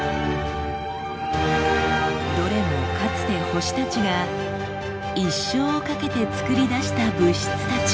どれもかつて星たちが一生をかけて作り出した物質たち。